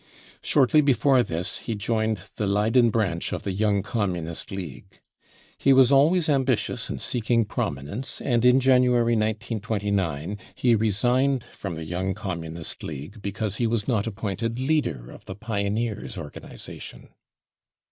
Shortly before this he joined the Leyden branch of the Young Communist League. He was always ambitious and seeking prominence, and in January 1 gscfhe resigned from the Y ou ng Commu nist League because he was not appointed leader of the Pioneers, organisation.